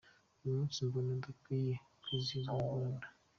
Uyu munsi mbona udakwiye kwizihizwa mu Rwanda.